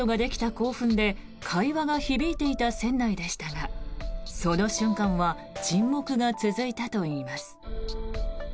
興奮で会話が響いていた船内でしたがその瞬間は沈黙が続いたといいます。